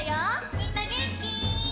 みんなげんき？